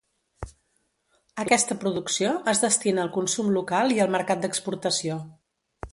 Aquesta producció es destina al consum local i al mercat d'exportació.